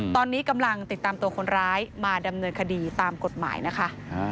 ตอนนี้กำลังติดตามตัวคนร้ายมาดำเนินคดีตามกฎหมายนะคะ